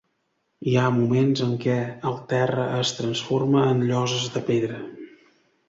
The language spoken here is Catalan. Hi ha moments en què el terra es transforma en lloses de pedra.